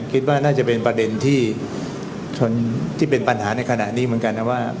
คิดว่าน่าจะเป็นประเด็นที่เป็นปัญหาในขณะนี้เหมือนกันนะว่า